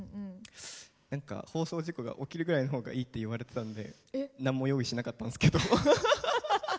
なんか、放送事故が起きるぐらいのほうがいいって言われてたんで何も用意しなかったんですけど。